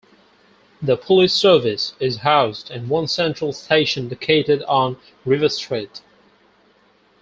The police service is housed in one central station located on River Street.